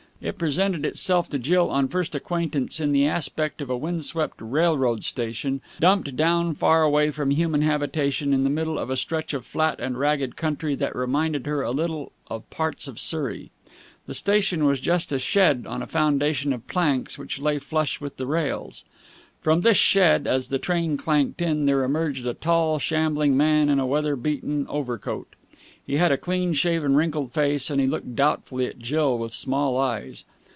It presented itself to Jill on first acquaintance in the aspect of a wind swept railroad station, dumped down far away from human habitation in the middle of a stretch of flat and ragged country that reminded her a little of parts of Surrey. The station was just a shed on a foundation of planks which lay flush with the rails. From this shed, as the train clanked in, there emerged a tall, shambling man in a weather beaten overcoat. He had a clean shaven, wrinkled face, and he looked doubtfully at Jill with small eyes.